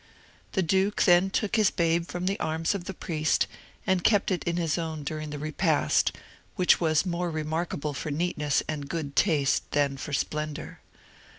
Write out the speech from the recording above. The duke then took his babe from the arms of the priest, and kept it in his own during the repast, which was more remarkable for neatness and good taste than for splendour.